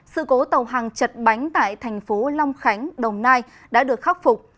sự cố tàu hàng chật bánh tại thành phố long khánh đồng nai đã được khắc phục